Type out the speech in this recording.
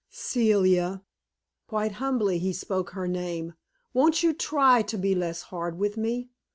"Celia," quite humbly he spoke her name "won't you try to be less hard with me?